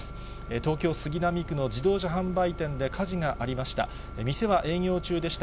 東京・杉並区の自動車販売店で火事がありました。